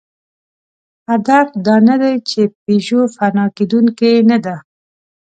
هدف دا نهدی، چې پيژو فنا کېدونکې نهده.